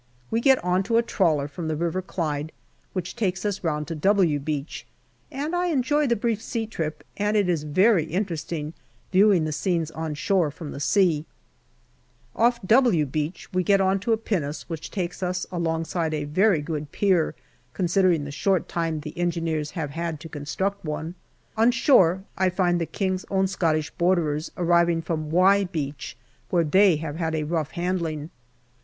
We get on to a trawler from the River Clyde, which takes us round to " W " Beach, and I enjoy the brief sea trip, and it is very interesting viewing the scenes on shore from the sea Off " W" Beach we get on to a pinnace which takes us alongside a very good pier, considering the short time the engineers have had to construct one. On shore I find the K.O.S.B.'s arriving from " Y " Beach, where they have had a rough handling.